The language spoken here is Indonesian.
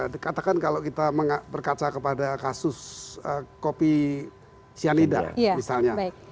dikatakan kalau kita berkaca kepada kasus kopi cyanida misalnya